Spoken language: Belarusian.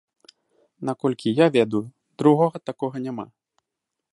Наколькі я ведаю, другога такога няма.